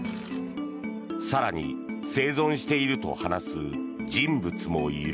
更に生存していると話す人物もいる。